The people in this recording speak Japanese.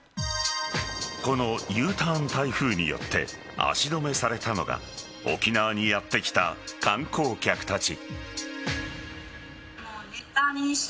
このＵターン台風によって足止めされたのが沖縄にやってきた観光客たち。